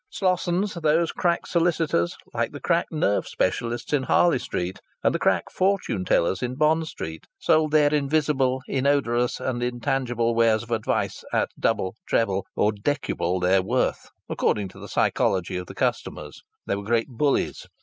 Slossons, those crack solicitors, like the crack nerve specialists in Harley Street and the crack fortune tellers in Bond Street, sold their invisible, inodorous and intangible wares of advice at double, treble, or decuple their worth, according to the psychology of the customer. They were great bullies.